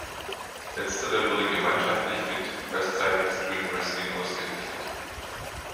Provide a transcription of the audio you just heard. Letztere wurde gemeinschaftlich mit westside Xtreme wrestling ausgerichtet.